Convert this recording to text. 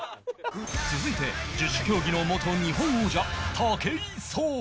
続いて十種競技の元日本王者武井壮